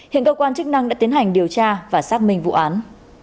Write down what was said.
hiện cơ quan chức năng đã tiến hành điều tra và xác minh vụ án